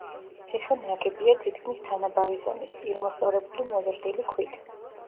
ციხე ნაგებია თითქმის თანაბარი ზომის, პირმოსწორებული მოზრდილი ქვით.